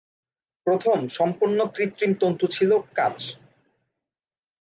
প্রথম সম্পূর্ণ কৃত্রিম তন্তু ছিল কাচ।